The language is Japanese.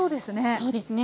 そうですね。